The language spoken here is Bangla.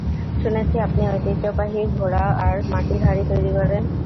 শুনেছি আপনি ঐতিহ্যবাহী ঘোড়া আর মাটির হাঁড়ি তৈরি করেন।